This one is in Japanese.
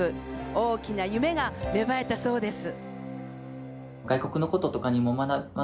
大きな夢が芽生えたそうです。